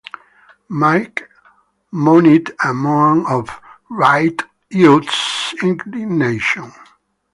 Mike moaned a moan of righteous indignation.